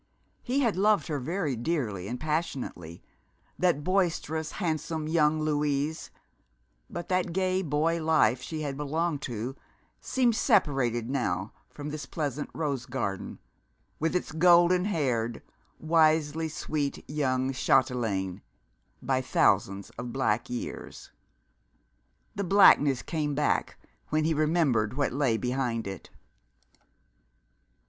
He had loved her very dearly and passionately, that boisterous, handsome young Louise, but that gay boy life she had belonged to seemed separated now from this pleasant rose garden, with its golden haired, wisely sweet young chatelaine, by thousands of black years. The blackness came back when he remembered what lay behind it.